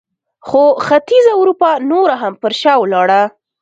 خو ختیځه اروپا نوره هم پر شا ولاړه.